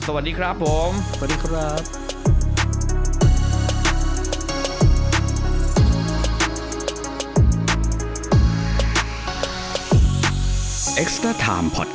สวัสดีครับผม